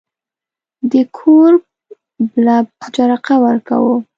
د کور بلب جرقه ورکاوه.